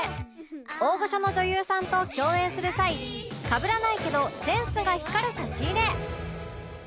大御所の女優さんと共演する際かぶらないけどセンスが光る差し入れ